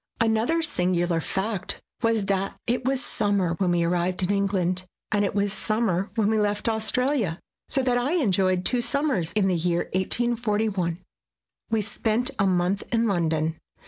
Another singular fact was that it was summer when we arrived in England, and it was summer when we left Australia; so that I enjoyed two summers in the year 1841. We spent a month in London.